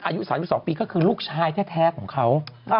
อายุ๓๒ปีก็คือลูกชายแท้ของเขา